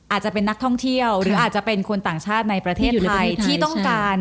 อาจจะเป็นนักท่องเที่ยวหรืออาจจะเป็นคนต่างชาติในประเทศไทยที่ต้องการ